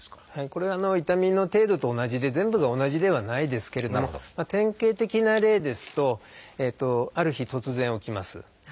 これは痛みの程度と同じで全部が同じではないですけれども典型的な例ですとある日突然起きます。